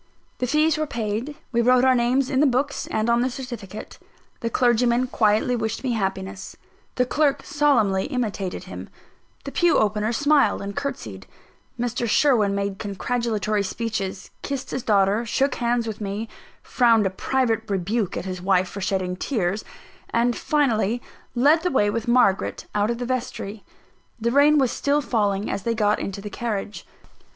The fees were paid; we wrote our names in the books and on the certificate; the clergyman quietly wished me happiness; the clerk solemnly imitated him; the pew opener smiled and curtseyed; Mr. Sherwin made congratulatory speeches, kissed his daughter, shook hands with me, frowned a private rebuke at his wife for shedding tears, and, finally, led the way with Margaret out of the vestry. The rain was still falling, as they got into the carriage.